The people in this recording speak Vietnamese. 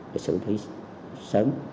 để xử lý sớm